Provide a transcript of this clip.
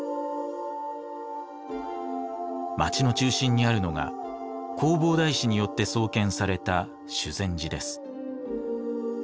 町の中心にあるのが弘法大師によって創建された修禅寺です。